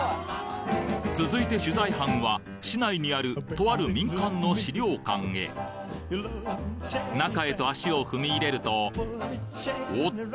続いて取材班は市内にあるとある民間の資料館へ中へと足を踏み入れるとおっと！